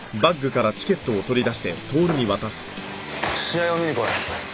試合を見に来い。